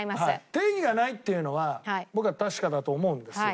定義がないっていうのは僕は確かだと思うんですよ。